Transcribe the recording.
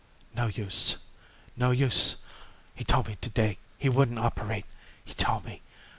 "No use. No use. He told me to day he wouldn't operate. He told me.